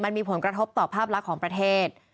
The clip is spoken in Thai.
มันมีผลกระทบต่อภาพลักษณ์ของประเทศ